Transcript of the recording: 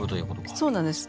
そうなんです。